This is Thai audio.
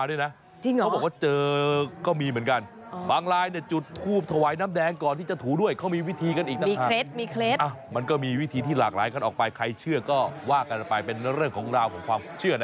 นี่ตะเคียนทองหรือตะเคียนเงินหรืออะไรนะครับคุณ